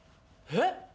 えっ？